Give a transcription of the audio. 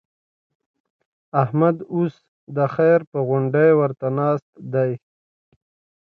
احمد اوس د خير پر غونډۍ ورته ناست دی.